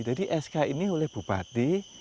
jadi sk ini oleh bupati